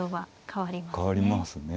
変わりますね。